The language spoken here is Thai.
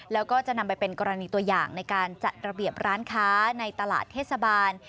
แล้วก็จะนำไปเป็นกรณีตัวอย่างในการจัดระเบียบร้านค้าในตลาดเทศบาล